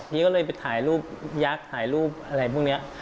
นี่ก็เลยไปถ่ายรูปยักษ์ถ่ายรูปอะไรพวกนี้